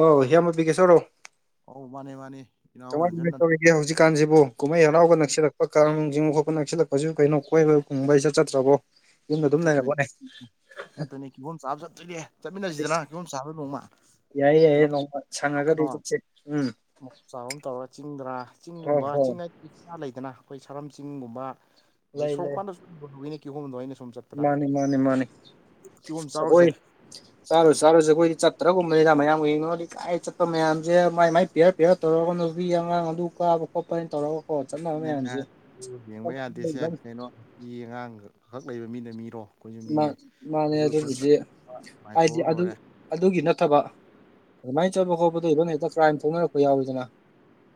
ꯑꯣ ꯍꯤꯌꯥꯃ ꯕꯤꯒꯦꯁꯣꯔ ꯔꯣ ꯑꯧ ꯃꯥꯅꯦ ꯃꯥꯅꯦ [unintelligible] ꯏꯅꯥꯎ ꯅꯪꯁꯨ ꯁꯦ ꯍꯧꯖꯤꯛꯀꯥꯟꯁꯤꯕꯨ ꯀꯨꯝꯍꯩ ꯍꯔꯥꯎꯒ ꯅꯛꯁꯤꯜꯂꯛꯄ ꯀꯥꯡ ꯆꯤꯡꯕ ꯈꯣꯠꯄ ꯅꯛꯁꯤꯜꯂꯛꯄꯖꯤꯕꯨ ꯀꯩꯅꯣ ꯀꯣꯏꯕ ꯀꯨꯝꯕ ꯏꯆꯠ ꯆꯠꯇ꯭ꯔꯕꯣ ꯌꯨꯝꯗ ꯑꯗꯨꯝ ꯆꯠꯇꯣꯏꯅꯦ ꯂꯩꯔꯕꯣꯅꯦ [unintelligible] ꯆꯠꯇꯣꯏꯅꯦ ꯀꯤꯍꯣꯝ ꯆꯥꯕ ꯆꯠꯇꯣꯏꯅꯦ ꯆꯠꯃꯤꯟꯅꯁꯤꯗꯅ ꯀꯤꯐꯣꯝ ꯆꯥꯕ ꯅꯣꯡꯃ ꯌꯥꯏꯌꯦ ꯌꯥꯏꯌꯦ ꯄꯨꯂꯞ ꯅꯣꯡꯃ ꯁꯪꯉꯒꯗꯨꯝ ꯆꯠꯁꯦ ꯎꯝ ꯃꯐꯝ ꯆꯥꯕ ꯑꯃ ꯇꯧꯔꯒ ꯆꯤꯡꯗꯔꯥ ꯍꯣꯏ ꯆꯤꯡꯒꯨꯝꯕ ꯍꯣꯏ ꯆꯤꯡ ꯍꯥꯏꯗꯤ__ ꯥ [unintelligible] ꯂꯩꯗꯅ ꯑꯩꯈꯣꯏ ꯁꯥꯔꯝ ꯆꯤꯡꯒꯨꯝꯕ ꯑꯗꯩ ꯂꯩ ꯂꯩ ꯁꯣꯔꯣꯛꯄꯥꯟꯗꯁꯨ [unintelligible] ꯀꯤꯍꯣꯝꯗꯣ ꯑꯩꯅ ꯁꯨꯝ ꯆꯠ__ ꯃꯥꯅꯤ ꯃꯥꯅꯤ ꯃꯥꯅꯤ ꯆꯥꯔꯨꯁꯦ ꯑꯈꯣꯏ ꯆꯥꯔꯨ ꯆꯥꯔꯨꯁꯦ ꯑꯩꯈꯣꯏꯗꯤ ꯆꯠꯇ꯭ꯔꯒꯨꯝꯕꯅꯤꯗꯅ ꯃꯌꯥꯝꯒ ꯌꯦꯡꯅꯔꯨꯔꯗꯤ ꯀꯥꯏ ꯆꯠꯄ ꯃꯌꯥꯝꯁꯦ ꯃꯥꯏ ꯃꯥꯏ__ ꯄꯤꯌꯥꯔ ꯄꯤꯌꯥꯔ ꯇꯧꯔꯒ ꯅꯨꯄꯤ ꯑꯉꯥꯡ ꯑꯗꯨ ꯀꯥꯕ ꯈꯣꯠꯄ ꯍꯥꯏꯅ ꯇꯧꯔꯒ [unintelligible] ꯌꯦꯡꯕ ꯌꯥꯗꯦꯁꯦ ꯀꯩꯅꯣ ꯃꯤ ꯑꯉꯥꯡ ꯈꯛ ꯂꯩꯕ ꯃꯤꯅ ꯃꯤꯔꯣ ꯑꯩꯈꯣꯏꯁꯨ ꯃꯥꯏ ꯃꯤꯅꯤ ꯃꯥꯅꯦ ꯑꯩꯈꯣꯏꯁꯨ ꯑꯩꯈꯣꯏ ꯑꯗꯨꯕꯨꯗꯤ ꯍꯥꯏꯗꯤ ꯃꯥꯏꯊꯣꯛꯑ ꯑꯗꯨ ꯂꯣꯏꯔꯦ ꯑꯗꯨꯒꯤ ꯅꯠꯇꯕ ꯑꯗꯨꯃꯥꯏꯅ ꯆꯠꯄ ꯈꯣꯠꯄꯗꯤ ꯑꯗꯨꯝ ꯍꯦꯛꯇ ꯀ꯭ꯔꯥꯏꯝ ꯊꯣꯛꯅꯔꯛꯄ ꯌꯥꯎꯋꯤꯗꯅ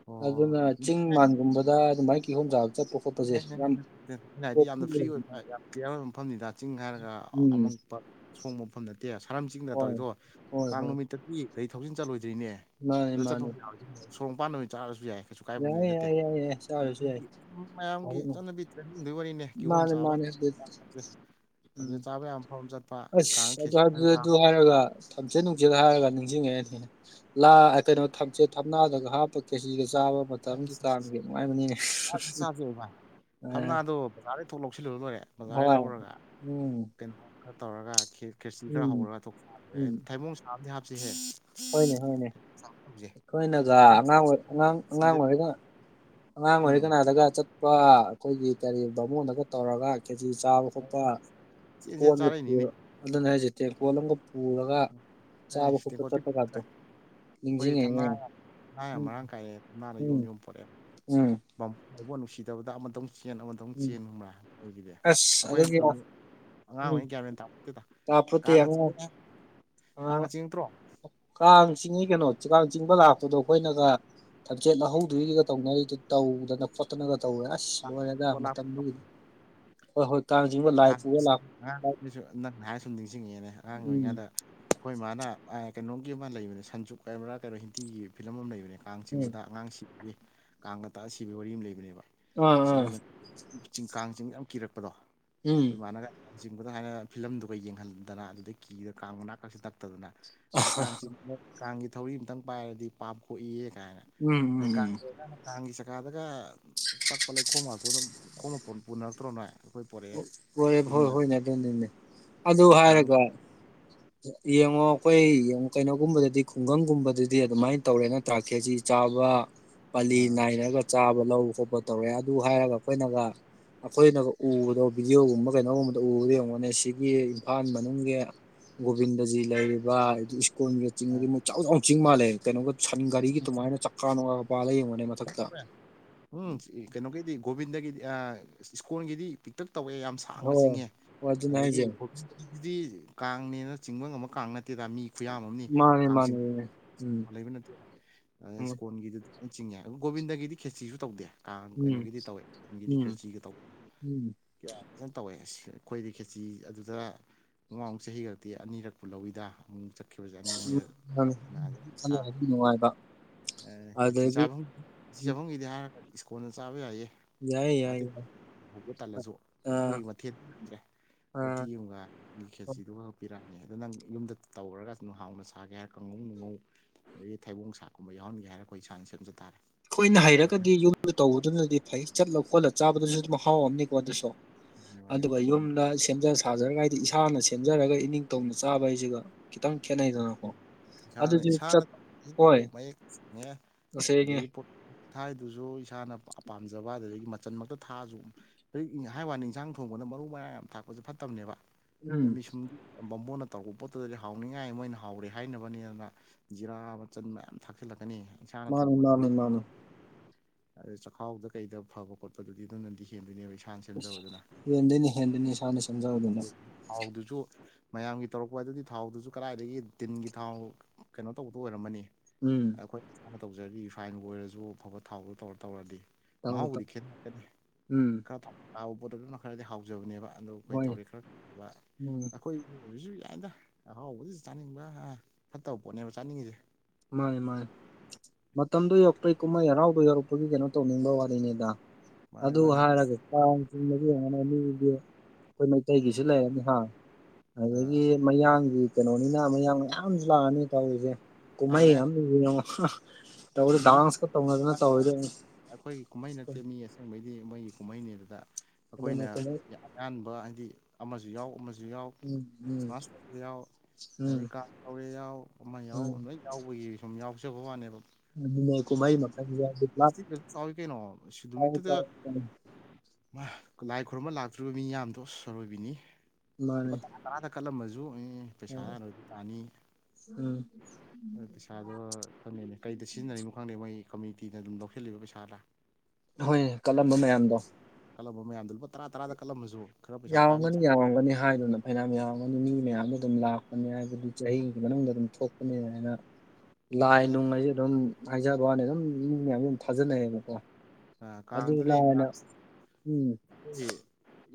ꯑꯣ ꯑꯗꯨꯅ ꯆꯤꯡ ꯃꯥꯟꯒꯨꯝꯕꯗ ꯑꯗꯨꯃꯥꯏꯅ ꯀꯤꯍꯣꯝ ꯆꯥꯕ ꯆꯠꯄ__ [unintelligible] ꯑꯩꯅ ꯍꯥꯏꯗꯤ ꯌꯥꯝꯅ ꯐ꯭ꯔꯤ ꯑꯣꯏꯕ ꯍꯥꯏꯕ [unintelligible] ꯃꯐꯝꯅꯤꯗ ꯆꯤꯡ ꯍꯥꯏꯔꯒ ꯎꯝ ꯑꯃꯡꯄꯠ ꯑꯁꯣꯡꯕ ꯃꯐꯝꯗ ꯇꯠ__ ꯇꯦ ꯁꯥꯔꯝ ꯆꯤꯡꯗꯒ ꯍꯣꯏ ꯇꯧꯔꯤꯗꯣ ꯍꯣꯏ ꯀꯥꯡ ꯍꯣꯏ ꯅꯨꯃꯤꯠꯇꯗꯤ ꯒꯥꯔꯤ ꯊꯧꯖꯤꯟ ꯆꯠꯂꯣꯏꯗ꯭ꯔꯤꯅꯦ ꯃꯥꯅꯦ ꯑꯗꯣ ꯃꯥꯅꯦ ꯆꯠꯄꯕꯨ ꯌꯥ__ ꯁꯣꯔꯣꯡ ꯄꯥꯟ ꯑꯣꯏ ꯇꯥꯔꯁꯨ ꯌꯥꯏ ꯀꯩꯁꯨ ꯀꯥꯏꯕꯗꯤ ꯌꯥꯏ ꯅꯠꯇꯦ ꯌꯥꯏ ꯌꯥꯏ ꯌꯥꯏ ꯆꯥꯔꯨꯁꯦ ꯌꯥꯏ ꯃꯌꯥꯝꯒꯤ ꯆꯠꯅꯕꯤ ꯇ꯭ꯔꯦꯟꯗꯤꯡꯗꯨꯏ ꯋꯥꯔꯤꯅꯦ ꯀꯤꯍꯣꯝ ꯃꯥꯅꯦ ꯆꯥꯕ ꯃꯥꯅꯦ ꯑꯗꯨ [unintelligible] ꯎꯝ ꯊꯝꯆꯦꯠ ꯆꯥꯕ ꯌꯥꯕ ꯃꯐꯝ ꯑꯃ ꯆꯠ__ ꯑꯁ ꯑꯗꯨ ꯑꯗꯨ ꯑꯗꯨ ꯍꯥꯏꯔꯒ ꯊꯝꯆꯦꯠ ꯅꯨꯡꯆꯦꯠ ꯍꯥꯏꯔꯒ ꯅꯤꯡꯖꯤꯡꯉꯛꯑꯦꯅꯦ ꯂꯥ ꯑ ꯀꯩꯅꯣ ꯊꯝꯆꯦꯠ ꯊꯝꯅꯥꯗꯒ ꯍꯥꯞꯄ ꯀꯦꯖꯤꯒ ꯆꯥꯕ ꯃꯇꯝ ꯃꯇꯝꯗꯨ ꯀꯥꯡꯗꯣ ꯅꯨꯡꯉꯥꯏꯕꯅꯤꯅꯦ ꯆꯥꯁꯤ ꯆꯥꯁꯦꯕ ꯚꯥꯏ ꯑ ꯊꯝꯅꯥꯗꯣ ꯕꯖꯥꯔꯗꯩ ꯊꯣꯛ ꯂꯧꯁꯤꯜꯂꯨꯔ ꯂꯣꯏꯔꯦ ꯕꯖꯥꯔꯗꯩ ꯍꯣꯏ ꯂꯧꯔꯒ ꯎꯝ ꯀꯩꯅꯣ ꯈꯔ ꯇꯧꯔꯒ ꯈꯦ ꯈꯦꯆꯤꯔ ꯈꯔ ꯎꯝ ꯍꯧꯔꯒ ꯊꯣꯛ [unintelligible] ꯎꯝ ꯑꯗꯣ ꯊꯩꯕꯣꯡ ꯁꯥ ꯑꯝꯗꯤ ꯍꯥꯞꯆꯤꯍꯦ ꯍꯣꯏꯅꯦ ꯍꯣꯏꯅꯦ ꯑꯩꯈꯣꯏꯅꯒ ꯇꯥꯏꯕꯪ ꯑꯉꯥꯡ ꯑꯣꯏ ꯑꯉꯥꯡ ꯑꯉꯥꯡ ꯁꯤꯗ ꯑꯣꯏꯔꯒ ꯑꯉꯥꯡ ꯑꯣꯏꯔꯤ ꯀꯅꯥꯗꯒ ꯆꯠꯄ ꯑꯩꯈꯣꯏꯒꯤ ꯀꯔꯤ ꯕꯥꯃꯣꯟꯗꯒ ꯇꯧꯔꯒ ꯈꯦꯆꯤ ꯆꯥꯕ__ ꯈꯣꯠꯄ ꯆꯦꯟ ꯆꯦꯟ ꯀꯣꯟꯒ ꯆꯥꯔꯛꯏꯅꯤꯅꯦ ꯄꯨꯔ ꯑꯗꯨꯅ ꯍꯥꯏꯖꯠꯇꯦ ꯀꯣꯜ ꯑꯃꯒ ꯄꯨꯔꯒ ꯆꯥꯕ ꯑꯦꯁ ꯐ ꯗꯦꯀꯣꯔꯇꯤꯞ ꯇꯠꯇ ꯈꯣ ꯑꯩꯈꯣꯏ ꯊꯝꯅꯥ ꯊꯝꯅꯥ ꯌꯥꯝ ꯃꯔꯥꯡ ꯀꯥꯏꯔꯛꯑꯦ ꯊꯝꯅꯥꯗ ꯌꯣꯝ ꯎꯝ ꯌꯣꯝ ꯄꯣꯔꯛꯑꯦ ꯎꯝ ꯐꯥꯎꯕ ꯅꯨꯡꯁꯤꯗꯕꯗ ꯑꯃꯇꯪ ꯆꯦꯟ ꯑꯃꯇꯪ ꯎꯝ ꯆꯦꯟꯒꯨꯝꯕ꯭ꯔꯥ ꯑꯣꯏꯒꯤꯗ ꯑꯁ ꯑꯩꯈꯣꯏ ꯑꯗꯨꯒꯤ ꯇ ꯎꯝ ꯑꯉꯥꯡꯍꯩꯅ ꯀꯌꯥꯃꯦꯟ ꯇꯥꯗ ꯀꯥ ꯀꯥꯞꯄꯣꯠꯇꯦ ꯑꯃꯨꯛ ꯀꯥꯒ ꯆꯦꯡꯛꯇ꯭ꯔꯣ ꯀꯥꯡ ꯆꯤꯡꯉꯤ ꯀꯩꯅꯣ ꯀꯥꯡ ꯆꯤꯡꯕ ꯂꯥꯛꯄꯗꯣ ꯑꯩꯈꯣꯏꯅꯒ ꯇꯝꯆꯦꯠ ꯂꯧꯍꯧꯗꯣꯏꯔꯤꯒ ꯇꯧꯅ ꯑꯩꯗꯨꯣ ꯇꯧꯗꯅ ꯈꯣꯠꯇꯅꯒ ꯇꯧꯔꯦ ꯄꯣꯂꯞ [unintelligible] ꯍꯣꯏ ꯍꯣꯏ ꯀꯥꯡ ꯆꯤꯡꯕ ꯂꯥꯏ ꯑ ꯄꯨꯔ ꯂꯥꯛ ꯑꯉꯥꯡꯁꯨ ꯅꯪ ꯍꯥꯏ ꯁꯨꯝ ꯅꯤꯡꯁꯤꯡꯉꯤꯦꯅꯦ ꯑꯉꯥꯡ ꯎꯝ ꯑꯣꯏꯔꯤꯉꯗ ꯑꯩꯈꯣꯏ ꯃꯥꯅ ꯀꯩꯅꯣꯝꯒꯤ ꯑꯃ ꯂꯩꯕꯅꯦ ꯁꯟꯖꯨ ꯀꯩꯔꯥ ꯀꯩꯅꯣ ꯍꯤꯟꯗꯤꯒꯤ ꯐꯤꯂꯝ ꯑꯃ ꯂꯩꯕꯅꯦ ꯀꯥꯡ ꯎꯝ ꯆꯤꯡꯕꯗ ꯑꯉꯥꯡ ꯁꯤ ꯀꯥꯡꯒ ꯇꯛꯑ ꯁꯤꯕꯒꯤ ꯋꯥꯔꯤ ꯑꯃ ꯂꯩꯕꯅꯦꯕ ꯑꯥ ꯑꯥ ꯁꯅ ꯆꯤꯡ ꯀꯥꯡꯁꯤꯡ ꯌꯥꯝ ꯀꯤꯔꯛꯄꯗꯣ ꯑꯩꯈꯣꯏ ꯎꯝ ꯏꯃꯅꯒ ꯆꯤꯡꯕꯗ ꯍꯥꯏꯥꯏꯅ ꯐꯤꯂꯝꯗꯨꯒ ꯌꯦꯡꯍꯟꯗꯅ ꯑꯗꯨꯗꯒꯤ ꯀꯤꯗ ꯀꯥꯡ ꯃꯅꯥꯀꯁꯤ ꯇꯛꯇꯗꯅ ꯑꯩ ꯀꯥꯡꯁꯤ ꯀꯥꯡꯒꯤ ꯊꯧꯔꯤ ꯑꯃꯝꯇꯪ ꯄꯥꯏꯔꯗꯤ ꯄꯥꯞꯊꯣꯛꯏꯌꯦ ꯀꯥꯏꯅ ꯎꯝ ꯎꯝ ꯑꯩ ꯎꯝ ꯀꯥꯡꯒꯤ ꯆꯀꯥꯗꯒ ꯄꯠꯂꯩ ꯈꯣꯝ ꯉꯥꯛꯇꯣ ꯑꯗꯨꯝ ꯈꯣꯝꯛꯄ ꯄꯨꯅꯔꯛꯇ꯭ꯔꯣ ꯅꯣꯏ ꯄꯣꯔꯛꯑꯦ ꯍꯣꯏꯦ ꯍꯣꯏ ꯌꯨꯝꯗꯒ ꯍꯣꯏꯅꯦ ꯑꯗꯨꯅꯤꯅꯦ ꯑꯗꯨ ꯑꯗꯩ ꯀꯥꯡ ꯍꯥꯏꯔꯒ ꯌꯦꯡꯉꯣ ꯑꯩꯈꯣꯏ ꯌꯦꯡꯉ ꯀꯩꯅꯣꯒꯨꯝꯕꯗꯗꯤ ꯈꯨꯡꯒꯪꯒꯨꯝꯕꯗꯗꯤ ꯑꯗꯨꯃꯥꯏꯅ ꯇꯧꯔꯦꯅ ꯇ꯭ꯔꯥꯛꯀꯦꯁꯤ ꯆꯥꯕ ꯄꯥꯂꯤ ꯑ ꯅꯥꯏꯔꯒ ꯆꯥꯕ ꯂꯧꯕ ꯈꯣꯠꯄ ꯇꯧꯔꯦ ꯑꯗꯨ ꯍꯥꯏꯔꯒ ꯑꯩꯈꯣꯏꯅꯒ ꯑꯩꯈꯣꯏꯅꯒ ꯎꯕꯗꯣ ꯚꯤꯗꯤꯑꯣꯒꯨꯝꯕ ꯀꯩꯅꯣꯒꯨꯝꯕꯗ ꯎꯕꯗ ꯌꯦꯡꯉꯣꯅꯦ ꯁꯤꯒꯤ ꯏꯝꯐꯥꯜ ꯃꯅꯨꯡꯒꯤ ꯒꯣꯕꯤꯟꯗꯖꯤ ꯂꯩꯔꯤꯕ ꯁ꯭ꯀꯨꯜꯒꯤ ꯆꯤꯡꯗꯤ ꯃꯣꯏꯛ ꯆꯥꯎꯅ ꯆꯤꯡ ꯃꯥꯜꯂꯦ ꯀꯩꯅꯣ ꯁꯟ ꯒꯥꯔꯤꯒꯤ ꯑꯗꯨꯃꯥꯏꯅ ꯆꯥꯛꯀꯥ ꯅꯨꯡꯀꯥꯒ ꯄꯥꯂꯒ ꯌꯦꯡꯉꯅꯦ ꯃꯊꯛꯇ ꯎꯝ ꯀꯩꯅꯣꯒꯤꯗꯤ ꯒꯣꯕꯤꯟꯗꯒꯤꯗꯤ ꯏꯁꯀꯣꯟꯒꯤꯗꯤ ꯄꯤꯛꯇꯛ ꯇꯧꯑꯦ ꯌꯥꯝ ꯁꯥꯡꯅ ꯍꯣꯏ ꯆꯤꯡꯉꯦ ꯍꯣꯏ ꯑꯗꯨꯅꯦ ꯍꯥꯏꯁꯦ ꯑꯗꯒꯤꯗꯤ ꯀꯥꯡꯅꯦꯅ ꯆꯤꯡꯕ ꯉꯝꯕ ꯀꯥꯡ ꯅꯠꯇꯦꯗ ꯃꯤ ꯈꯨꯌꯥꯝ ꯑꯃꯅꯤ ꯃꯥꯅꯦ ꯃꯥꯅꯦ ꯀꯥꯡꯆꯤꯡ ꯎꯝ ꯂꯩꯕꯅ ꯑ ꯎꯝ ꯏꯁꯀꯣꯟꯒꯤꯗꯨ ꯆꯤꯡꯉꯦ ꯑ ꯒꯣꯕꯤꯟꯗꯒꯤꯗꯤ ꯈꯦꯆꯤꯁꯨ ꯇꯧꯗꯦ ꯀꯥꯡ ꯎꯝ ꯀꯩꯅꯣꯒꯤꯗꯤ ꯇꯧꯏꯦꯒꯤꯗꯤ ꯈꯔ ꯎꯝ ꯆꯤꯒ ꯇꯧ ꯎꯝ ꯀꯌꯥ ꯀ ꯇꯧꯋꯦ ꯑꯩꯈꯣꯏꯗꯤ ꯈꯦꯆꯤ ꯑꯗꯨꯗ ꯃꯨꯥꯎꯃꯨꯛ ꯆꯍꯤ ꯈꯛꯇꯤ ꯑꯅꯤꯔꯛꯄꯨ ꯂꯧꯏꯤꯗ ꯑꯃꯨꯛ ꯆꯠꯈꯤꯕꯁꯦ ꯑꯅꯤ ꯎꯝ ꯑꯅꯤꯔꯛ ꯃꯥꯅꯦ ꯈꯟꯅꯔꯗꯤ ꯅꯨꯡꯉꯥꯏꯕ ꯈꯦꯆꯤ ꯑꯗꯒꯤ ꯆꯥꯐꯝ ꯈꯦꯆꯤ ꯎꯝ ꯆꯥꯐꯝꯒꯤꯗꯤ ꯍꯥꯏꯔ ꯏꯁꯀꯣꯟꯜꯅ ꯆꯥꯕ ꯌꯥꯏꯌꯦ ꯌꯥꯏ ꯌꯥꯏ ꯌꯥꯗ ꯌꯥꯏ ꯇꯜꯂꯁꯨ ꯑꯥ ꯑꯩꯈꯣꯏ ꯃꯊꯦꯜꯠꯗ꯭ꯔꯦ ꯄꯣꯇꯤ ꯑꯥ ꯑꯃꯒ ꯈꯦꯖꯤꯗꯨꯒ ꯈꯛ ꯄꯤꯔꯛꯑꯅꯤ ꯑꯗꯣ ꯅꯪ ꯌꯨꯝꯗ ꯇꯧꯔꯒ ꯅꯨꯡ ꯍꯥꯎꯅ ꯁꯥꯒꯦ ꯍꯥꯏꯔ ꯀꯥꯡꯉꯧ ꯅꯨꯡꯉꯧ ꯑꯗꯒꯤ ꯊꯩꯕꯣꯡ ꯆꯥꯛꯀꯨꯝꯕ ꯌꯥꯎꯍꯟꯒꯦ ꯍꯥꯏ ꯑꯩꯈꯣꯏ ꯏꯁꯥꯡꯅ ꯁꯦꯝꯖ ꯇꯥꯔꯦ ꯑꯩꯈꯣꯏꯅ ꯍꯩꯔꯒꯗꯤ ꯌꯨꯝꯗꯨ ꯇꯧꯕꯗꯨꯅꯗꯤ ꯐꯩ ꯆꯠꯂ ꯈꯣꯠꯂ ꯆꯥꯕꯗꯨꯅꯁꯨ ꯑꯗꯨꯝ ꯍꯥꯎꯑꯝꯅꯤꯀꯣ ꯑꯗꯨꯁꯨ ꯑꯗꯨꯒ ꯁꯨꯝ ꯌꯨꯝꯗ ꯁꯦꯝꯖ ꯁꯥꯖꯔꯒ ꯍꯥꯏꯗꯤ ꯏꯁꯥꯅ ꯁꯦꯝꯖꯔꯒ ꯏꯅꯤꯡꯊꯧꯧꯅ ꯆꯥꯕ ꯍꯥꯏꯁꯤꯒ ꯈꯤꯇꯪ ꯈꯦꯠꯅꯩꯗꯅꯀꯣ ꯏꯁꯥꯅ ꯑꯗꯨꯗꯤ ꯏꯁꯥꯅ ꯆꯠ ꯃꯌꯦꯛꯅꯦ ꯁꯦꯒꯤ ꯊꯥꯏꯗꯨꯁꯨ ꯏꯁꯥꯅ ꯄꯥꯝꯖꯕ ꯑꯗꯨꯗꯒꯤ ꯃꯆꯜ ꯃꯛꯇ ꯊꯥꯁꯨ ꯍꯧꯛ ꯍꯥꯏ ꯋꯥꯅꯤ ꯏꯟꯁꯥꯡ ꯊꯣꯡꯕꯅ ꯃꯔꯨ ꯃꯔꯥꯡ ꯌꯥꯝ ꯊꯥꯛꯄꯁꯦ ꯐꯠꯇꯕꯅꯦꯕ ꯑ ꯎꯝ ꯃꯤ ꯁꯨꯝ ꯕꯝꯕꯣꯅ ꯇꯧꯔꯛꯄ ꯄꯣꯠꯇꯨꯗꯗꯤ ꯍꯥꯎꯅꯤꯡꯉꯤ ꯉꯥꯏ ꯃꯣꯏꯅ ꯍꯥꯎꯔꯦ ꯍꯥꯏꯅꯕꯅꯤ ꯑꯗꯨꯅ ꯖꯤꯔꯥ ꯃꯆꯟ ꯃꯌꯥꯝ ꯊꯥꯛꯆꯤꯜꯂꯛꯀꯅꯤ ꯏꯁꯥꯅ ꯃꯥꯅꯤ ꯃꯥꯅꯤ ꯃꯥꯅꯤ ꯑꯗ ꯆꯥꯛꯈꯥꯎꯗ ꯀꯩꯗ ꯐꯕ ꯈꯣꯠꯄꯗꯨꯗꯤ ꯑꯗꯨꯝꯅꯗꯤ ꯍꯦꯟꯗꯣꯏꯅꯦꯕ ꯑꯩ ꯁꯥꯏꯟꯁ ꯌꯦꯗꯅꯤ ꯍꯦꯟꯗꯅꯤ ꯁꯅꯤ ꯁꯖꯥꯎꯗꯅ ꯊꯥꯎꯗꯨꯁꯨ ꯃꯌꯥꯝꯒꯤ ꯇꯧꯔꯛꯄ ꯍꯥꯏꯗꯗꯤ ꯊꯥꯎꯗꯨꯁꯨ ꯀꯗꯥꯏꯗꯒꯤ ꯇꯤꯟꯒꯤ ꯊꯥꯎ ꯀꯩꯅꯣ ꯇꯧꯕꯗꯣ ꯑꯣꯏꯔꯝꯃꯅꯤ ꯎꯝ ꯑꯩꯈꯣꯏ ꯀꯣ ꯇꯧꯖꯔꯤ ꯐꯥꯏꯟꯕꯨ ꯑꯣꯏꯔꯁꯨ ꯑꯐꯕ ꯊꯥꯎꯗꯣ ꯇꯧꯔ ꯇꯧꯔꯗꯤ ꯇꯧꯔꯦ ꯇꯧ ꯃꯍꯥꯎꯕꯨꯗꯤ ꯈꯦꯠꯅꯔꯛꯀꯅꯤ ꯎꯝ ꯈꯔ ꯍꯥꯎꯕ ꯄꯣꯠꯇ ꯑꯗꯨꯅ ꯈꯔꯗꯤ ꯍꯥꯎꯖꯕꯅꯦꯕ ꯑꯗꯣ ꯑꯩꯈꯣꯏ ꯍꯣꯏ ꯊꯧꯔꯤꯛ ꯈꯔꯕ ꯎꯝ ꯑꯩꯈꯣꯏꯖꯤꯁꯨ ꯌꯥꯏꯗ ꯑꯍꯥꯎꯕꯗꯨꯁꯨ ꯆꯥꯅꯤꯡꯕ꯭ꯔꯥ ꯑ ꯐꯠꯇꯕ ꯄꯣꯠꯅꯦꯕ ꯆꯥꯅꯤꯡꯉꯤꯁꯦ ꯃꯅꯤ ꯝꯅꯤ ꯃꯇꯝꯗꯣ ꯌꯧꯔꯛꯄꯩ ꯀꯨꯝꯍꯩ ꯍꯔꯥꯎꯕ ꯌꯧꯔꯛꯄꯒꯤ ꯀꯩꯅꯣ ꯇꯧꯅꯤꯡꯕ ꯋꯥꯔꯤꯅꯤꯗ ꯃꯥꯅꯦ ꯑꯗꯨ ꯃꯥꯅꯦ ꯍꯥꯏꯔꯒꯦ ꯆ ꯆꯤꯡꯕꯒꯤꯡꯉꯅꯅꯤꯗꯤ ꯑꯩꯈꯣꯏ ꯃꯩꯇꯩꯒꯤꯁꯨ ꯂꯩꯔꯅꯤ ꯍꯥ ꯑꯗꯒꯤ ꯃꯌꯥꯡꯒꯤ ꯀꯩꯅꯣꯅꯤꯅ ꯃꯌꯥꯡ ꯃꯌꯥꯝꯁꯨ ꯂꯥꯛꯑꯅꯤ ꯇꯧꯔꯤꯁꯦ ꯑꯌꯥꯝ ꯀꯨꯝꯃꯩ ꯑꯌꯥꯝ ꯑꯃꯗꯨꯁꯨ ꯌꯦꯡꯉꯣ ꯇꯧꯔꯥ ꯃꯤ ꯃꯤ ꯗꯥꯟꯁꯀꯥ ꯇꯧꯅꯗꯅ ꯇꯧꯔꯤꯗꯣ ꯑꯩꯈꯣꯏꯒꯤ ꯀꯨꯝꯍꯩ ꯅꯠꯇꯦ ꯃꯤ ꯑꯁꯦꯡꯕꯩꯗꯤ ꯃꯣꯏꯒꯤ ꯀꯨꯝꯍꯩꯅꯤ ꯑꯗꯨꯗ ꯑꯗꯨꯅꯦ ꯑꯩꯈꯣꯏꯅ ꯀꯨꯝꯍꯩ ꯑꯌꯥꯝꯥꯟꯕ ꯍꯥꯏꯗꯤ ꯑꯃꯁꯨ ꯌꯥꯎ ꯑꯃꯁꯨ ꯌꯥꯎ ꯎꯝ ꯎꯝ ꯇ ꯎꯝ ꯌꯥ ꯀ ꯌꯥꯎ ꯃ ꯌꯥꯎ ꯎꯝ ꯌꯥꯎꯕꯒꯤ ꯁꯨꯝ ꯌꯥꯎꯖꯕ ꯋꯥꯅꯦꯕ ꯀꯨꯃꯔꯤ ꯃꯀꯂ ꯇ ꯐꯦꯁꯇꯤꯚꯦꯜ ꯆꯥꯎꯋꯤ ꯀꯩꯅꯣ [unintelligible] [unintelligible] ꯃꯥ ꯂꯥꯏ ꯈꯨꯔꯨꯝꯕ ꯂꯥꯛꯇꯣꯔꯤꯕ ꯃꯤ ꯌꯥꯝꯌꯥꯝꯗꯣ ꯑꯥꯔꯣꯏꯕꯤꯅꯤ ꯃꯥꯅꯦ ꯂꯨꯞꯄ ꯇꯔꯥ ꯀꯠꯂꯝꯃꯁꯨ ꯄꯩꯁꯥ ꯑꯔꯣꯏꯕꯤ ꯇꯥꯅꯤ ꯎꯝ ꯄꯩꯁꯥꯗꯣ ꯈꯪꯗꯅꯦ ꯀꯩꯗ ꯁꯤꯖꯤꯟꯅꯔꯤꯅꯣ ꯈꯪꯗꯦ ꯃꯣꯏ ꯀꯝꯃꯨꯅꯤꯇꯤꯅ ꯑꯗꯨꯝ ꯂꯧꯁꯤꯜꯂꯤꯕ ꯄꯩꯁꯥꯗ ꯍꯣꯏ ꯀꯜꯂꯝꯕ ꯃꯌꯥꯝꯗꯣ ꯀꯜꯂꯝꯕ ꯃꯌꯥꯝꯗꯣ ꯂꯨꯄꯥ ꯇꯔꯥ ꯇꯔꯥꯗ ꯀꯜꯂꯝꯃꯁꯨ ꯌꯥꯎꯔꯒꯅꯤ ꯌꯥꯎꯔꯝꯒꯅꯤ ꯍꯥꯏꯗꯨꯅ ꯍꯥꯏꯅꯥ ꯃꯌꯥꯝ ꯑꯃꯅꯤꯅꯤ ꯃꯤ ꯃꯌꯥꯝꯅ ꯑꯗꯨꯝ ꯂꯥꯛꯄꯅꯦ ꯍꯥꯏꯕꯗꯤ ꯆꯍꯤꯒꯤ ꯃꯅꯨꯡꯗ ꯑꯗꯨꯝ ꯊꯣꯛꯄꯅꯦ ꯍꯥꯏꯅ ꯂꯥꯏ ꯅꯨꯡ ꯍꯥꯏꯁꯦ ꯑꯗꯨꯝ ꯍꯥꯏꯖꯕ ꯋꯥꯅꯤ ꯑꯗꯨꯝ ꯃꯤ ꯃꯌꯥꯝꯁꯦ ꯑꯗꯨꯝ ꯊꯥꯖꯅꯩꯌꯦꯕꯀꯣ ꯑꯗꯨ ꯀꯥꯡꯗꯨꯅꯦ ꯂꯥꯏꯅ ꯎꯝ ꯑꯩ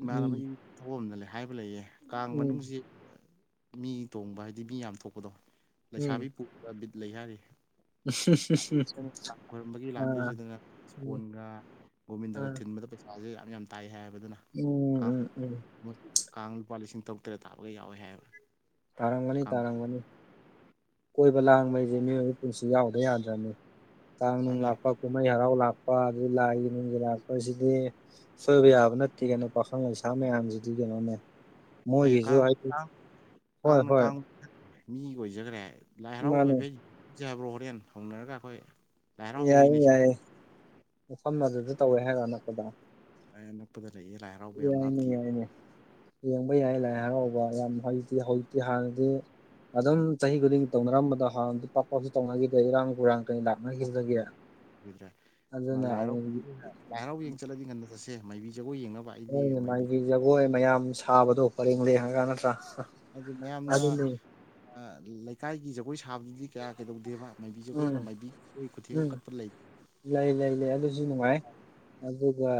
ꯎꯝ ꯑꯣꯝꯗ ꯂꯩ ꯍꯥꯏꯕ ꯂꯩꯌꯦ ꯀꯥꯡ ꯎꯝ ꯃꯅꯨꯡꯁꯤ ꯃꯤ ꯇꯣꯡꯕ ꯍꯥꯏꯗꯤ ꯃꯤ ꯌꯥꯝ ꯊꯣꯛꯄꯗꯣ ꯂꯩꯁꯥꯕꯤ ꯎꯝ ꯂꯩ ꯍꯥꯏꯔꯤ ꯈꯣꯏꯔꯝꯕꯒꯤ ꯑꯥ ꯂꯥꯛꯄꯥꯁꯤꯗꯅꯦ [unintelligible] ꯎꯝ ꯐꯣꯟꯒ ꯒꯣꯕꯤꯟꯗꯒ ꯑꯥ ꯊꯤꯟꯕꯗ ꯄꯩꯁꯥꯥꯁꯦ ꯌꯥꯝ ꯌꯥꯝ ꯇꯥꯏ ꯍꯥꯏꯕ ꯑꯗꯨꯅ ꯀꯥꯡ ꯎꯝ ꯎꯝ ꯎꯝ ꯀꯥꯡ ꯂꯨꯄꯥ ꯂꯤꯁꯤꯡ ꯇꯔꯨꯛ ꯇꯔꯦꯠ ꯇꯥꯕꯒ ꯌꯥꯎꯋꯦ ꯍꯥꯏꯕ꯭ꯔꯥ ꯇꯥꯔꯝꯒꯅꯤ ꯇꯥꯔꯝꯒꯅꯤ ꯀꯣꯏꯕ ꯂꯥꯡꯕ ꯍꯥꯏꯁꯦ ꯃꯤꯑꯣꯏꯕ ꯏꯁꯤꯡꯁꯨ ꯌꯥꯎꯗ ꯌꯥꯗ꯭ꯔꯕꯅꯤ ꯀꯥꯡ ꯅꯨꯡ ꯃꯥꯅꯦ ꯂꯥꯛꯄ ꯀꯨꯝꯍꯩ ꯍꯔꯥꯎ ꯂꯥꯛꯄ ꯑꯗꯒꯤ ꯂꯥꯏꯒꯤ ꯅꯨꯡꯒꯤ ꯂꯥꯛꯄꯁꯤꯗꯤ ꯁꯣꯏꯕ ꯑꯥ ꯌꯥꯕ ꯅꯠꯇꯦ ꯀ ꯀꯩꯅꯣ ꯄꯥꯈꯪ ꯂꯩꯁꯥ ꯃꯌꯥꯝꯁꯤꯗꯤ ꯀꯩꯅꯣꯅꯦ ꯑꯦ ꯃꯣꯏꯒꯤꯁꯨ ꯀꯥꯡ ꯍꯥꯏꯗꯤ ꯀꯥꯡ ꯍꯣꯏ ꯀꯥꯡꯅ ꯍꯣꯏ ꯀꯥꯡ ꯃꯤ ꯑꯣꯏꯖꯈ꯭ꯔꯦ ꯂꯥꯏ ꯍꯔꯥꯎꯕ ꯃꯥꯅꯤ ꯐꯩ ꯆꯠꯁꯦ ꯍꯥꯏꯕꯔꯣ ꯍꯣꯔꯦꯟ ꯍꯧꯅꯔꯒ ꯑꯩꯈꯣꯏ ꯂꯥꯏ ꯍꯔꯥꯎ ꯍꯧꯋꯤꯅꯦ ꯌꯥꯏꯌꯦ ꯁꯤꯗ ꯌꯥꯏꯌꯦꯦ ꯃꯐꯝ ꯑꯗꯨꯗ ꯇꯧꯋꯦ ꯍꯥꯏꯔ ꯑꯅꯛꯄꯗ [unintelligible] [unintelligible] ꯌꯥꯏꯅꯦ ꯌꯥꯏꯅꯦ ꯌꯦꯡꯕ ꯌꯥꯏ ꯂꯥꯏ ꯍꯔꯥꯎꯕ ꯌꯥꯝ ꯍꯧꯩꯖꯤꯛꯇꯤ ꯍꯧꯖꯤꯛꯇꯤ ꯍꯥꯟꯅꯗꯤ ꯑꯗꯨꯝ ꯆꯍꯤ ꯈꯨꯗꯤꯡꯒꯤ ꯇꯧꯅꯔꯝꯕꯗꯣ ꯍ ꯄꯥꯛꯄꯁꯨ ꯇꯧꯅꯈꯤꯗ꯭ꯔꯦ ꯏꯔꯥꯡ ꯍꯨꯔꯥꯡ ꯂꯥꯛꯅ ꯈꯤꯕꯗꯒꯤ ꯂꯣꯏꯗ꯭ꯔꯦ ꯑꯗꯨꯅ ꯂꯥꯏ ꯍꯔꯥꯎ ꯑꯃꯨꯛ ꯂꯥꯏ ꯍꯔꯥꯎꯕ ꯌꯦꯡ ꯆꯠꯂꯗꯤ ꯉꯟꯅꯗꯁꯦ ꯃꯥꯏꯕꯤ ꯖꯒꯣꯏ ꯌꯦꯡꯅꯕ ꯍꯥꯏ ꯅꯣꯏꯅꯦ ꯃꯥꯒꯤ ꯖꯒꯣꯏ ꯃꯌꯥꯝ ꯁꯥꯕꯗꯣ ꯄꯔꯦꯡ ꯂꯔꯦꯡꯉꯒ ꯅꯠꯇ꯭ꯔꯥ ꯍꯥꯏ ꯃꯌꯥꯝꯅ ꯑꯗꯨꯅꯤ ꯂꯩꯀꯥꯏꯒꯤ ꯖꯒꯣꯏ ꯁꯥꯕꯗꯨꯗꯤ ꯀꯌꯥ ꯀꯩꯗꯧꯗꯦꯕ ꯃꯥꯏꯕꯤ ꯎꯝ ꯖꯒꯣꯏꯅ ꯃꯥꯏꯕꯤꯣꯏ ꯈꯨꯊꯦꯛ ꯑꯃ ꯎꯝ ꯀꯠꯄ ꯂꯩꯇ ꯂꯩ ꯂꯩ ꯂꯩ ꯑꯗꯨꯁꯨ ꯅꯨꯡꯉꯥꯏ ꯑꯗꯨꯒ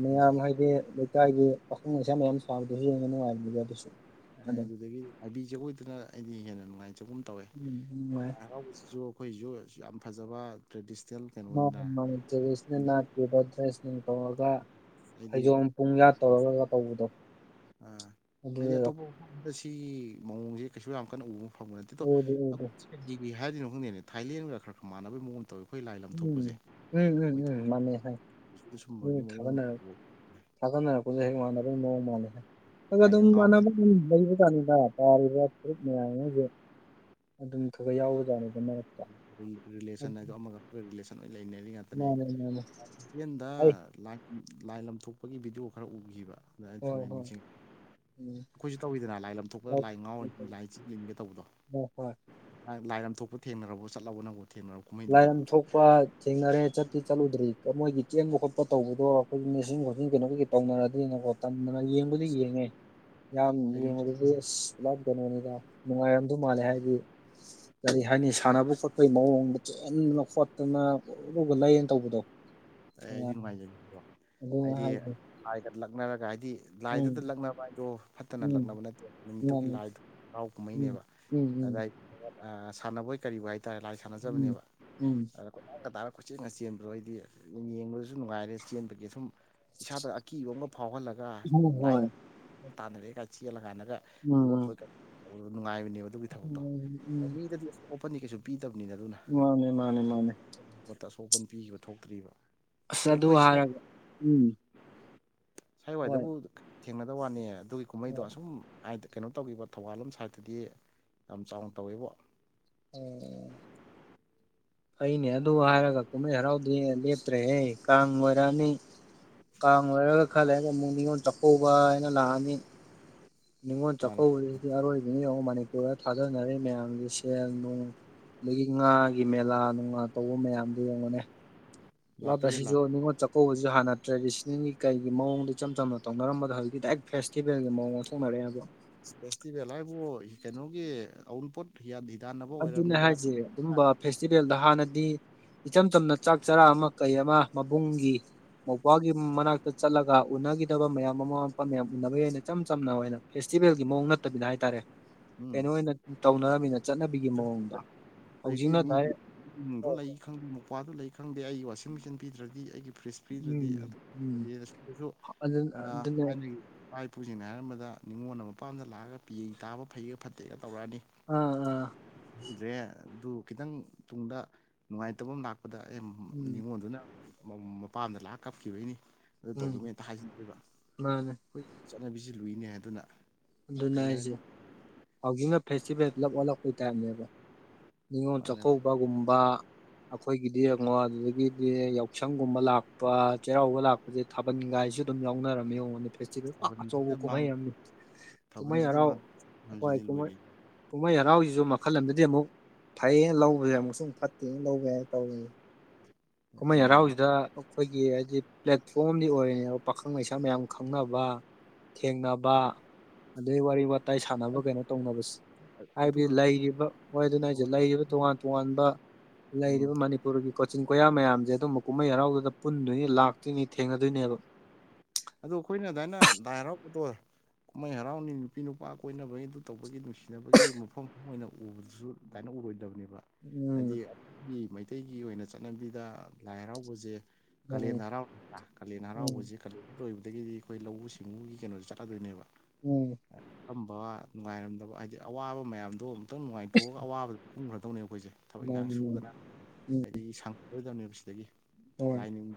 ꯃꯌꯥꯝ ꯍꯥꯏꯗꯤ ꯂꯩꯀꯥꯢꯒꯤ ꯄꯥꯈꯪ ꯂꯩꯁꯥ ꯃꯌꯥꯝ ꯁꯥꯕꯗꯁꯨ ꯌꯦꯡꯕ ꯅꯨꯡꯉꯥꯏꯕꯅꯤꯕ ꯑꯗꯨꯁꯨ ꯑꯦ ꯑꯗꯨꯝ ꯑꯗꯨꯗꯒꯤ ꯑꯥꯏꯕꯤ ꯖꯒꯣꯏꯗꯨꯅ ꯑꯩꯗꯤ ꯍꯦꯟꯅ ꯅꯨꯡꯉꯥꯏꯖꯒꯨꯝ ꯇꯧꯋꯦ ꯎꯝ ꯎꯝ ꯍꯣꯢ ꯂꯥꯢ ꯍꯔꯥꯎꯕꯁꯤꯁꯨ ꯑꯩꯈꯣꯏꯁꯨ ꯌꯥꯝ ꯐꯖꯕ ꯇ꯭ꯔꯦꯗꯤꯁꯅꯦꯜ ꯀꯩꯅꯣꯅꯤꯅ ꯃꯥꯅꯦꯃꯥꯅꯦ ꯅꯥꯄꯤꯤꯕꯗ꯭ꯔꯦ [inaudible] ꯁ ꯅ ꯇꯧꯔꯒ ꯐꯩꯖꯣꯝ ꯑꯩꯗꯤ ꯄꯨꯡꯌꯥꯠ ꯇꯧꯔꯒ ꯇꯧꯕꯗꯣ ꯑꯗꯨ ꯁꯤ ꯃꯑꯣꯡꯁꯦ ꯀꯩꯁꯨ ꯌꯥꯝ ꯀꯟꯅ ꯎꯕ ꯐꯪꯕ ꯅꯠꯇꯦꯗꯣ ꯎꯗꯤ ꯎꯗꯦ ꯀꯩ ꯍꯥꯏꯗꯣꯢꯅꯣ ꯈꯪꯗꯦꯅꯦ ꯊꯥꯏꯂꯦꯟꯒ ꯈꯔ ꯈꯔ ꯃꯥꯟꯅꯕꯩ ꯃꯥꯑꯣꯡ ꯇꯧꯋꯤ ꯑꯩꯈꯣꯏ ꯂꯥꯏ ꯎꯝ ꯂꯝꯊꯣꯛꯄꯁꯦ ꯎꯝ ꯎꯝ ꯃꯣꯏ ꯎꯝ ꯃꯥꯟꯅꯩ ꯁꯨꯝꯕꯒꯤ ꯃꯑꯣꯡ ꯇꯧꯋꯤ ꯊꯥꯒꯠꯅꯔꯛꯄꯁꯦ ꯍꯦꯛ ꯃꯥꯟꯅꯕ ꯃꯑꯣꯡ ꯃꯥꯜꯂꯦ ꯑꯗꯨꯒ ꯂꯥꯏꯒ ꯑꯗꯨꯝ ꯉꯥꯎ ꯃꯥꯟꯅꯕ ꯥꯅꯤꯗ ꯇꯥꯔꯤꯕ ꯐꯨꯔꯨꯞ ꯃꯌꯥꯝꯁꯦ ꯑꯗꯨꯝ ꯈꯔ ꯌꯥꯎꯕꯖꯠꯅꯤꯗ ꯃꯔꯛꯇ ꯔꯤꯂꯦꯁꯟ ꯑꯗꯨ ꯍꯥꯏꯗꯣ ꯑꯃ ꯑꯃꯒ ꯔꯤꯂꯦꯁꯟ ꯂꯣꯢ ꯂꯩꯅꯔꯤ ꯉꯥꯛꯇꯅꯦ ꯃꯥꯅꯦ ꯃꯥꯅꯦ ꯊꯥꯢꯂꯦꯟꯗ ꯑꯩ ꯂꯥꯏ ꯂꯝꯊꯣꯛꯄꯒꯤ ꯚꯤꯗꯤꯑꯣ ꯈꯔ ꯎꯈꯤꯕ ꯑꯗꯨꯗ ꯍꯣꯏ ꯊꯨꯅ ꯍꯣꯏ ꯅꯤꯡꯁꯤꯡꯉꯛꯕ ꯎꯝ ꯑꯩꯈꯣꯏꯁꯨ ꯇꯧꯋꯤꯗꯅ ꯂꯥꯏ ꯂꯝꯊꯣꯛꯄꯗ ꯂꯥꯏ ꯉꯥꯎꯔꯤꯅꯤ ꯂꯥꯏ ꯆꯤꯠ ꯌꯦꯟꯒꯦ ꯇꯧꯕꯗꯣ ꯍꯣꯢ ꯍꯣꯏ ꯂꯥꯏꯔꯝ ꯊꯣꯛꯄ ꯊꯦꯡꯅꯔꯕꯣ ꯆꯠꯂꯣ ꯅꯪꯕꯨ ꯊꯦꯡꯅꯔꯕꯣ ꯀꯨꯝꯍꯩꯗꯨꯕꯣ ꯂꯥꯏꯔꯝ ꯊꯣꯛꯄꯥ ꯄꯥ ꯊꯦꯡꯅꯔꯦ ꯆꯠꯇꯤ ꯆꯠꯂꯨꯗ꯭ꯔꯤ ꯃꯣꯏꯒꯤ ꯆꯦꯡꯕ ꯈꯣꯠꯄ ꯇꯧꯕꯗꯣ ꯑꯩꯈꯣꯏꯒꯤ ꯃꯦꯆꯤꯟ ꯈꯣꯠꯆꯤꯟ ꯀꯩꯅꯣ ꯇꯧꯅꯔꯗꯤꯅꯀꯣ ꯇꯥꯟꯗꯅ ꯌꯦꯡꯕꯗꯤ ꯌꯦꯡꯉꯦ ꯌꯥꯝ ꯑꯩꯗꯤ ꯌꯦꯡꯕꯗꯗꯤ ꯑꯁ ꯄꯨꯂꯞ ꯀꯩꯅꯣꯅꯤꯗ ꯅꯨꯡꯉꯥꯏꯔꯝꯗꯧ ꯃꯥꯜꯂꯦ ꯍꯥꯏꯗꯤ ꯀꯔꯤ ꯍꯥꯏꯅꯤ ꯁꯥꯟꯅꯕ ꯈꯣꯠꯄꯒꯤ ꯃꯑꯣꯡꯗ ꯆꯦꯟꯗꯅ ꯈꯣꯠꯇꯅ ꯎꯨꯔꯨ ꯎꯨꯔꯨ ꯂꯩꯅ ꯇꯧꯕꯗꯣ ꯑꯦ ꯑꯩꯗꯤ ꯅꯨꯡꯉꯥꯏꯖꯩꯗꯣ ꯍꯥꯏꯗꯤ ꯂꯥꯏꯒ ꯂꯛꯅꯔꯒ ꯍꯥꯏꯗꯤ ꯂꯥꯏꯗꯨꯗ ꯎꯝ ꯂꯛꯅꯕ ꯍꯥꯏꯗꯣ ꯐꯠꯇꯅ ꯎꯝ ꯂꯛꯅꯕ ꯅꯠꯇꯦ ꯅꯨꯃꯤꯠꯇꯨꯒꯤ ꯃꯥꯅꯤ ꯂꯥꯏꯗꯣ ꯍꯔꯥꯎ ꯎꯝ ꯀꯨꯝꯍꯩꯅꯦꯕ ꯎꯝ ꯎꯝ ꯑꯗꯥꯏ ꯁꯥꯟꯅꯕꯣꯏ ꯀꯔꯤꯕꯣꯢ ꯍꯥꯏꯇꯥꯔꯦ ꯂꯥꯏ ꯎꯝ ꯁꯥꯟꯅꯖꯕꯅꯦꯕ ꯎꯝ ꯑꯗ ꯀꯣꯢꯇꯥꯟꯒ ꯇꯥꯟꯅꯔꯒ ꯈꯨꯆꯦꯡꯒ ꯆꯦꯟꯕꯗꯣ ꯑꯩꯗꯤ ꯌꯦꯡꯕꯗꯁꯨ ꯅꯨꯡꯉꯥꯏꯔꯦ ꯆꯦꯟꯕꯒꯤ ꯁꯨꯝ ꯏꯁꯥꯗ ꯑꯀꯤꯕ ꯑꯃꯒ ꯐꯥꯎꯍꯜꯂꯒ ꯍꯣꯏ ꯍꯣꯏ ꯂꯥꯏꯅ ꯇꯥꯟꯅꯔꯛꯑꯦ ꯀꯥꯏ ꯆꯦꯜꯂ ꯀꯥꯟꯗꯒ ꯂꯣꯠꯄ ꯎꯝ ꯀꯩꯕꯣꯢ ꯅꯨꯡꯉꯥꯏꯕꯅꯦꯕ ꯑꯗꯨꯒꯤ ꯊꯕꯛꯇꯣ ꯎꯝ ꯎꯝ ꯃꯤꯗꯗꯤ ꯑꯋꯦꯠ ꯑꯀꯥꯟꯗꯤ ꯀꯩꯁꯨ ꯄꯤꯗꯕꯅꯤꯗ ꯑꯗꯨꯅ ꯃꯥꯅꯦ ꯃꯥꯅꯦ ꯃꯥꯅꯦ ꯑꯁꯣꯛꯄꯟ ꯄꯤꯈꯤꯕ ꯊꯣꯛꯇ꯭ꯔꯤꯕ ꯑꯁ ꯑꯗꯣ ꯑꯗꯨ ꯑꯩꯈꯣꯏ ꯁꯥ ꯍꯥꯔꯒ ꯎꯝ ꯍꯣꯏ ꯁꯥꯏꯋꯥꯏꯗꯕꯨ ꯊꯦꯡꯅꯗꯕ ꯋꯥꯅꯤ ꯑꯗꯨꯒꯤ ꯀꯨꯝꯍꯩꯗꯣ ꯑꯁꯨꯝ ꯍꯥꯏꯗ ꯀꯩꯅꯣ ꯇꯧꯈꯤꯕ ꯊꯧꯕꯥꯜꯂꯣꯝ ꯁꯥꯏꯠꯇꯗꯤ ꯌꯥꯝ ꯆꯥꯎꯅ ꯇꯧꯋꯦꯕꯣ ꯎꯝ ꯐꯩꯅꯦ ꯑꯗꯨ ꯍꯥꯏꯔꯒ ꯀꯨꯝꯍꯩ ꯍꯔꯥꯎꯗꯤ ꯂꯦꯞꯇ꯭ꯔꯦꯍꯦ ꯀꯥꯡ ꯑꯣꯏꯔꯛꯑꯅꯤ ꯀꯥꯡ ꯂꯣꯏꯔꯒ ꯈꯔ ꯂꯩꯔꯒ ꯑꯃꯨꯛ ꯅꯤꯉꯣꯜ ꯆꯥꯛꯀꯧꯕ ꯍꯥꯏꯅ ꯂꯥꯛꯑꯅꯤ ꯅꯤꯉꯣꯜ ꯃꯥꯅꯦ ꯆꯥꯛꯀꯧꯕꯁꯤꯗꯤ ꯑꯔꯣꯏꯕꯅꯤ ꯌꯦꯡꯉꯨ ꯃꯅꯤꯄꯨꯔꯗ ꯊꯥꯗꯅꯔꯤ ꯃꯌꯥꯝꯁꯤ ꯁꯦꯜ ꯅꯨꯡ ꯑꯗꯒꯤ ꯉꯥꯒꯤ ꯃꯦꯂꯥ ꯅꯨꯡꯂꯥ ꯇꯧꯕ ꯃꯌꯥꯝꯗꯨ ꯌꯦꯡꯉꯨꯅꯦ ꯄꯨꯂꯞ ꯂꯥꯛꯇꯣꯏꯔꯦ ꯂꯥꯛ ꯑꯁꯤꯁꯨ ꯅꯤꯡꯉꯣꯜ ꯀꯧꯕꯁꯤ ꯍꯥꯟꯅ ꯇ꯭ꯔꯦꯗꯤꯁꯟꯅꯜꯒꯤ ꯀꯩꯒꯤ ꯃꯑꯣꯡꯗ ꯏꯆꯝ ꯆꯝꯅ ꯇꯧꯅꯔꯝꯕꯗꯣ ꯍꯧꯖꯤꯛ ꯗꯥꯏꯔꯦꯛ ꯐꯦꯁꯇꯤꯚꯦꯜꯒꯤ ꯃꯑꯣꯡ ꯑꯃ ꯑꯣꯟꯊꯣꯛꯅꯔꯛꯑꯦꯕ ꯐꯦꯁꯇꯤꯚꯦꯜ ꯍꯥꯏꯕꯨ ꯀꯩꯅꯣꯒꯤ ꯑꯎꯨꯟꯄꯣꯠ ꯍꯤꯌꯥꯟ [inaudible] ꯊꯤꯗꯥꯟꯅꯕ ꯑꯗꯨꯅꯦ ꯑꯣꯏꯔꯕꯅꯤꯗ ꯍꯥꯏꯁꯦ ꯑꯗꯨꯝꯕ ꯐꯦꯁꯇꯤꯚꯦꯜꯗ ꯍꯥꯟꯅꯗꯤ ꯏꯆꯝ ꯆꯝꯅ ꯆꯥꯛ ꯆꯔꯥ ꯑꯃ ꯀꯩ ꯑꯃ ꯃꯕꯨꯡꯒꯤ ꯃꯧꯄꯨꯋꯥꯒꯤ ꯃꯅꯥꯛꯇ ꯆꯠꯂꯒ ꯎꯅꯈꯤꯗꯕ ꯃꯌꯥꯝ ꯃꯃꯥ ꯃꯄꯥ ꯃꯌꯥꯝ ꯎꯅꯕ ꯌꯥꯏꯅ ꯏꯆꯝ ꯆꯝꯅ ꯑꯣꯏꯅ ꯐꯦꯁꯇꯤꯚꯦꯜꯒꯤ ꯃꯑꯣꯡ ꯅꯠꯇꯕꯤꯗ ꯍꯥꯏꯇꯥꯔꯦ ꯀꯩꯅꯣ ꯑꯣꯏꯅ ꯇꯧꯅꯔꯃꯤꯅ ꯑꯩꯗꯤ [inaudible] ꯃꯤꯒꯤ ꯗꯥꯏꯔꯦꯛ ꯗꯣ ꯂꯩ ꯈꯪꯗꯦ ꯃꯧꯄꯧꯋꯥꯗꯨ ꯂꯩ ꯈꯪꯗꯦ ꯑꯩꯒꯤ ꯋꯥꯁꯤꯡ ꯃꯦꯆꯤꯟ ꯄꯤꯗ꯭ꯔꯗꯤ ꯑꯩꯒꯤ ꯐ꯭ꯔꯤꯖ ꯄꯤꯗꯔꯗꯤ ꯎꯝ ꯎꯝ ꯑꯁꯣꯝꯗꯁꯨ ꯑꯗꯨ ꯑꯗꯨꯅꯦ ꯊꯥꯢꯅ ꯒꯤ ꯏꯄꯥ ꯏꯄꯨꯁꯤꯡꯅ ꯍꯥꯏꯅꯔꯝꯕꯗ ꯅꯤꯡꯉꯣꯟꯅ ꯃꯄꯥꯝꯗ ꯂꯥꯛꯑꯒ ꯄꯤ ꯇꯥꯕ ꯐꯩꯒ ꯐꯠꯇꯦꯒ ꯇꯧꯔꯛꯑꯅꯤ ꯑ ꯑ ꯗ꯭ꯔꯦ ꯑꯗꯨ ꯈꯤꯇꯪ ꯇꯨꯡꯗ ꯅꯨꯡꯉꯥꯏꯇꯕ ꯑꯃ ꯂꯥꯛꯄ ꯗ ꯑ ꯎꯝ ꯅꯤꯉꯣꯟꯜꯗꯨꯅ ꯃꯄꯥꯝꯗ ꯂꯥꯛꯑ ꯀꯞꯈꯤꯕꯩꯅꯤ ꯑꯗꯨ ꯎꯝ ꯇꯧꯒꯕ ꯑꯦꯇ ꯍꯥꯏꯖꯤꯟꯗꯦꯕ ꯃꯥꯅꯦ ꯑꯩꯈꯣꯏ ꯆꯠꯅꯕꯤꯁꯤ ꯂꯨꯏꯅꯦ ꯑꯗꯨꯅ ꯑꯗꯨꯅ ꯀꯩ ꯑꯩꯁꯦ ꯍꯥꯏꯅꯤ ꯍꯧꯒꯤꯡꯅ ꯐꯦꯁꯇꯤꯚꯦꯜ ꯄꯨꯂꯞ ꯑꯣꯜꯂꯛꯄꯩ ꯇꯥꯔꯅꯦꯕ ꯅꯤꯉꯣꯜ ꯃꯥꯅ ꯆꯥꯛꯀꯧꯕꯒꯨꯝꯕ ꯑꯩꯈꯣꯏꯒꯤꯗꯤ ꯌꯦꯡꯉꯣ ꯑꯗꯨꯗꯒꯤꯗꯤ ꯌꯥꯎꯁꯪꯒꯨꯝꯕ ꯂꯥꯛꯄ ꯆꯩꯔꯥꯎꯕ ꯂꯥꯛꯄ ꯍꯧꯖꯤꯛ ꯊꯥꯕꯜꯒꯥꯏꯁꯨ ꯑꯗꯨꯝ ꯌꯥꯎꯅꯔꯝꯃꯦ ꯑꯩꯉꯣꯟꯗ ꯐꯦꯁꯇꯤꯚꯦꯜ ꯊꯥꯕꯜꯁꯤꯗ ꯑꯆꯧꯕ ꯃꯥꯡ ꯀꯨꯝꯍꯩ ꯑꯃꯅꯤ ꯀꯨꯝꯍꯩ ꯊꯥꯕꯜꯁꯤꯗ ꯍꯔꯥꯎ ꯃꯥꯡ ꯍꯣꯏ ꯃꯌꯥꯝꯁꯤꯗꯤ ꯀꯨꯝꯍꯩ ꯂꯣꯏꯔꯦ ꯀꯨꯝꯍꯩ ꯍꯔꯥꯎꯁꯤꯁꯨ ꯃꯈꯜ ꯑꯃꯗꯗꯤ ꯑꯃꯨꯛ ꯐꯩꯌꯦ ꯂꯧꯕꯁꯦ ꯑꯃꯨꯛꯁꯨ ꯐꯠꯇꯦ ꯂꯧꯕ ꯌꯥꯅ ꯇꯧꯔꯤ ꯀꯨꯝꯍꯩ ꯍꯔꯥꯎꯁꯤꯗ ꯑꯩꯈꯣꯏꯒꯤ ꯍꯥꯏꯗꯤ ꯄ꯭ꯂꯦꯠꯐꯣꯝꯗꯤ ꯑꯣꯏꯔꯤꯅꯦꯕ ꯄꯥꯈꯪ ꯂꯩꯩꯁꯥ ꯃꯌꯥꯝ ꯈꯪꯅꯕ ꯊꯦꯡꯅꯕ ꯑꯗꯩ ꯋꯥꯔꯤ ꯋꯥꯇꯥꯏ ꯁꯥꯟꯅꯕ ꯀꯩꯅꯣ ꯇꯧꯅꯕꯁꯦ ꯑꯗꯨ ꯍꯥꯏꯕꯗꯤ ꯈꯛꯀꯤ ꯂꯩꯔꯤꯕ ꯍꯥꯏꯗꯨꯅ ꯍꯥꯏꯁꯦ ꯂꯩꯔꯤꯕ ꯇꯣꯉꯥꯟ ꯇꯣꯉꯥꯟꯕ ꯎꯝ ꯂꯩꯔꯤꯕ ꯃꯅꯤꯄꯨꯔꯒꯤ ꯀꯣꯆꯤꯟ ꯀꯣꯏꯌꯥ ꯃꯌꯥꯝꯁꯦ ꯑꯗꯨꯝꯕ ꯀꯨꯝꯍꯩ ꯍꯔꯥꯎꯗꯨꯗ ꯄꯨꯟꯗꯣꯏꯅꯤ ꯂꯥꯛꯇꯣꯏꯅꯤ ꯊꯦꯡꯅꯗꯣꯏꯅꯦꯕ ꯑꯗꯨ ꯑꯩꯈꯣꯏꯅ ꯑꯗꯨꯗꯥꯃꯥꯏꯅ ꯗꯥꯏꯔꯥꯎꯗꯣ ꯀꯨꯝꯍꯩ ꯍꯔꯥꯎꯅꯤ ꯅꯨꯄꯤ ꯅꯨꯄꯥ ꯀꯣꯏꯅꯕꯒꯤ ꯑꯗꯨ ꯇꯧꯕꯒꯤ ꯅꯨꯡꯁꯤꯅꯕꯒꯤ ꯃꯐꯝ ꯑꯣꯏꯅ ꯎꯕꯗꯨꯁꯨ ꯑꯗꯨꯃꯥꯏꯅ ꯎꯔꯣꯏꯗꯕꯅꯦꯕ ꯍꯥꯏꯗꯤ ꯎꯝ ꯑꯩꯒꯤ ꯃꯩꯇꯩꯒꯤ ꯑꯣꯏꯅ ꯆꯠꯅꯕꯤꯗ ꯂꯥꯏ ꯍꯔꯥꯎꯕꯁꯦ ꯎꯝ ꯀꯥꯂꯦꯟꯗꯔꯥꯎ ꯀꯥꯂꯦꯟ ꯎꯝ ꯍꯔꯥꯎꯕꯁꯤ ꯂꯣꯏꯕꯗꯒꯤꯗꯤ ꯑꯩꯈꯣꯏ ꯂꯧꯎ ꯁꯤꯡꯎꯒꯤ ꯀꯩꯅꯣꯁꯦ ꯆꯠꯂꯗꯣꯏꯅꯦꯕ ꯎꯝ ꯊꯝꯕ ꯅꯨꯡꯉꯥꯏꯔꯝꯗꯕ ꯍꯥꯏꯗꯤ ꯑꯋꯥꯕ ꯃꯌꯥꯝꯗꯣ ꯈꯤꯇꯪ ꯅꯨꯡꯉꯥꯏꯊꯣꯛꯑꯒ ꯑꯋꯥꯕ ꯄꯨꯟꯈ꯭ꯔꯗꯧꯅꯦꯕ ꯑꯩꯈꯣꯏꯁꯦ ꯊꯕꯛ ꯏꯟꯈꯥꯡ ꯃꯥꯅꯤ ꯃꯥꯅꯤ ꯁꯨꯗꯅ ꯎꯝ ꯑꯗꯒꯤ ꯂꯣꯏꯗꯕꯅꯦꯕ ꯁꯤꯗꯒꯤ ꯍꯣꯏ ꯂꯥꯏꯅꯤꯡ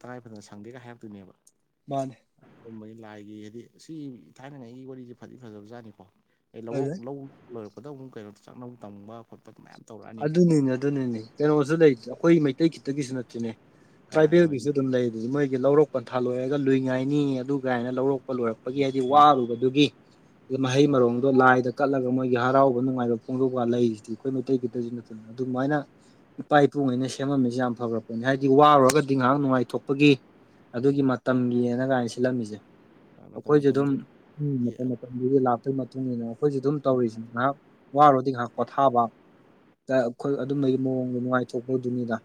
ꯇꯔꯥꯏ ꯐꯗꯅ ꯁꯪꯗꯦꯒ ꯍꯥꯏꯔꯛꯇꯣꯏꯅꯦꯕ ꯃꯥꯅꯦ ꯒꯨꯨꯝꯕꯒꯤ ꯂꯥꯏꯒꯤ ꯍꯥꯏꯗꯤ ꯁꯤ ꯊꯥꯏꯅꯉꯥꯏꯒꯤ ꯋꯥꯔꯤꯁꯦ ꯐꯗꯤ ꯐꯖꯕꯖꯥꯠꯅꯤꯀꯣ ꯑꯩ ꯂꯧꯔꯣꯛ ꯑꯗꯨꯗꯩ ꯂꯧ ꯂꯣꯏꯔꯛꯄꯗ ꯑꯃꯨꯛ ꯀꯩꯅꯣ ꯆꯥꯛꯅꯕ ꯇꯝꯕ ꯈꯣꯠꯄ ꯃꯌꯥꯝ ꯇꯧꯔꯒꯦ ꯑꯗꯨꯅꯤꯅꯦ ꯑꯗꯨꯅꯤꯅꯦ ꯀꯩꯅꯣꯁꯨ ꯂꯩꯇꯦ ꯑꯩꯈꯣꯏ ꯃꯩꯇꯩ ꯈꯤꯇꯒꯤꯁꯨ ꯅꯠꯇꯦꯅꯦ ꯀꯥ ꯍꯣꯏ ꯇ꯭ꯔꯥꯏꯕꯦꯜꯒꯤꯁꯨ ꯑꯗꯨꯝ ꯂꯩꯗꯗꯤ ꯃꯣꯏꯒꯤ ꯂꯧꯔꯛꯄ ꯊꯥꯂꯣꯛꯑꯒ ꯂꯨꯏ ꯉꯥꯏꯅꯤ ꯑꯗꯨ ꯀꯥꯏꯅ ꯂꯧꯔꯛꯄ ꯂꯣꯏꯔꯛꯄꯒꯤ ꯍꯥꯏꯗꯤ ꯋꯥꯔꯨꯕꯗꯨꯒꯤ ꯃꯍꯩ ꯍꯣꯏ ꯃꯔꯣꯡꯗꯣ ꯂꯥꯏꯗ ꯀꯠꯂꯒ ꯃꯣꯏꯒꯤ ꯍꯔꯥꯎꯕ ꯅꯨꯡꯉꯥꯏꯕ ꯐꯣꯡꯗꯣꯛꯑꯀ ꯂꯩꯔꯤꯁꯤꯗꯤ ꯑꯩꯈꯣꯏ ꯃꯩꯇꯩꯒꯤꯇꯁꯨ ꯅꯠꯇꯅ ꯑꯗꯨꯃꯥꯏꯅ ꯏꯄꯥ ꯏꯄꯨꯉꯩꯅ ꯁꯦꯝꯃꯝꯃꯤꯁꯦ ꯌꯥꯝ ꯐꯈ꯭ꯔ ꯄꯣꯠꯅꯤ ꯍꯥꯏꯗꯤ ꯋꯥꯔꯨꯔꯒꯗꯤ ꯉꯥꯏꯍꯥꯛ ꯅꯨꯡꯉꯥꯏꯊꯣꯛꯄꯒꯤ ꯑꯗꯨꯒꯤ ꯃꯇꯝꯒꯤꯅ ꯀꯥꯏꯅ ꯁꯤꯜꯂꯝꯃꯤꯁꯦ ꯃꯇꯝ ꯑꯩꯈꯣꯏꯁꯨ ꯑꯗꯨꯝ ꯃꯇꯝꯗꯨꯒꯤ ꯎꯝ ꯍꯥꯏꯗꯤ ꯃꯇꯝ ꯑꯩꯈꯣꯏꯅ ꯃꯇꯝꯒꯤꯗꯤ ꯂꯄ ꯑꯗꯨꯏ ꯃꯇꯨꯡ ꯏꯟꯅ ꯑꯩꯈꯣꯏꯁꯨ ꯑꯗꯨꯝ ꯇꯧꯔꯤꯁꯤ ꯉꯥꯏꯍꯥꯛ ꯋꯥꯔꯣꯗꯤ ꯉꯥꯏꯍꯥꯛ ꯄꯣꯊꯥꯕ ꯑꯩꯈꯣꯏ ꯑꯗꯨꯝꯕꯩꯒꯤ ꯃꯑꯣꯡꯗ ꯅꯨꯡꯉꯥꯏꯊꯣꯛꯄꯗꯨꯅꯤꯗ